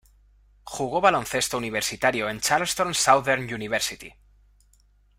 Jugó baloncesto universitario en Charleston Southern University.